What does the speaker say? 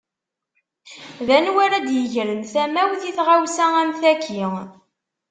D anwa ara ad yegren tamawt i tɣawsa am taki.